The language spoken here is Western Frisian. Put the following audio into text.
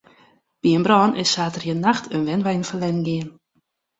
By in brân is saterdeitenacht in wenwein ferlern gien.